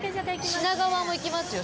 品川も行きますよ